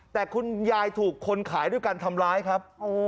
แต่คุณยายถูกคนขายด้วยการทำร้ายครับ